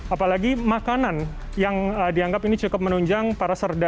apalagi makanan yang dianggap ini cukup menunjang para serda